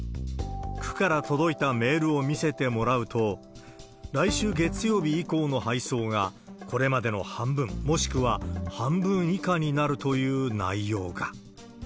区から届いたメールを見せてもらうと、来週月曜日以降の配送が、これまでの半分、もしくは半分以下になるという内容が。